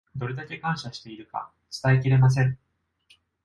どれだけ感謝しているか、伝えきれません。